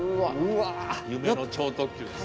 夢の超特急です。